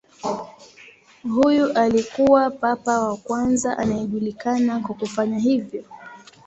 Huyu alikuwa papa wa kwanza anayejulikana kwa kufanya hivyo.